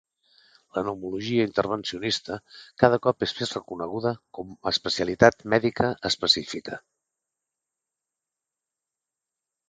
La pneumologia intervencionista cada cop és més reconeguda como a especialitat mèdica específica.